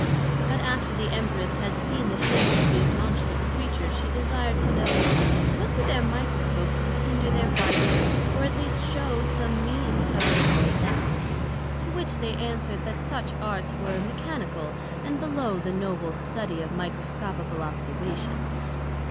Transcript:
But after the Empress had seen the shapes of these monstrous Creatures, she desir'd to know, Whether their Microscopes could hinder their biting, or at least shew some means how to avoid them? To which they answered, That such Arts were mechanical and below the noble study of Microscopical observations.